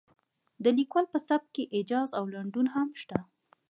د لیکوال په سبک کې ایجاز او لنډون هم شته.